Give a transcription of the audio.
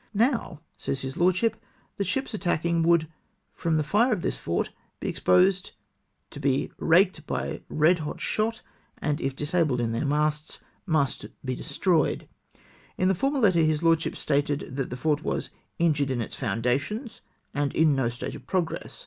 '''" Now," says his lordship, " the shijis attacking would, from, the fire of this f 01% be exposed to be rakedby red hot shot, and if disabled in their masts, must he destroyed" In the former letter his lordship stated that the fort was " injured in its foundations, and in no state of progress."